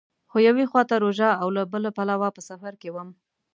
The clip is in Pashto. خو یوې خوا ته روژه او له بله پلوه په سفر کې وم.